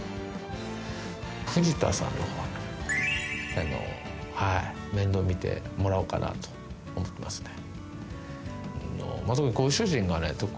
藤田さんのほうにあのはい面倒見てもらおうかなと思ってますね。